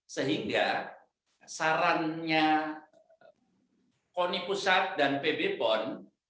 sehingga sarannya koni pusat dan pb pon